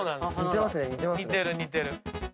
似てる似てる。